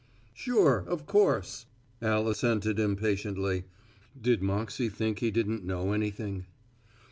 "Sure, of course," Al assented impatiently. Did Moxey think he didn't know anything?